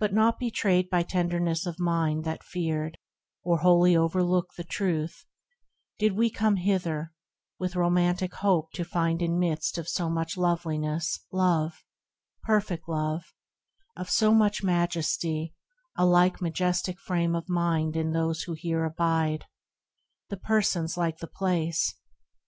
But not betrayed by tenderness of mind That feared, or wholly overlooked the truth, Did we come hither, with romantic hope To find in midst of so much loveliness Love, perfect love : of so much majesty A like majestic frame of mind in those Who here abide, the persons like the place.